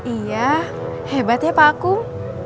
iya hebat ya pak akung